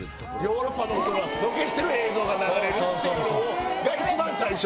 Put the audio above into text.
ヨーロッパのそのロケしてる映像が流れるっていうのが一番最初。